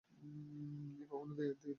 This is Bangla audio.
কখনো দেখিনি তো?